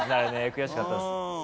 悔しかったです。